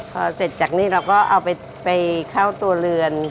พอเสร็จจากนี้เราก็เอาไปเข้าตัวเรือน